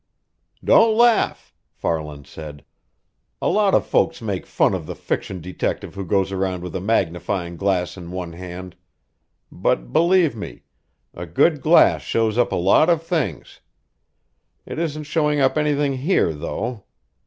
"Don't laugh!" Farland said. "A lot of folks make fun of the fiction detective who goes around with a magnifying glass in one hand, but, believe me, a good glass shows up a lot of things. It isn't showing up anything here, though.